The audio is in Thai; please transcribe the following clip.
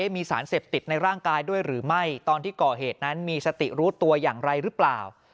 มีสารเสพติดในร่างกายด้วยหรือไม่ตอนที่ก่อเหตุนั้นมีสติรู้ตัวอย่างไรหรือเปล่า